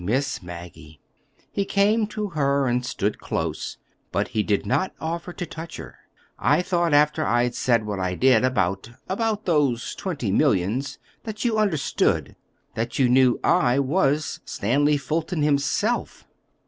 Miss Maggie." He came to her and stood close, but he did not offer to touch her. "I thought, after I'd said what I did about—about those twenty millions that you understood—that you knew I was—Stanley Fulton himself."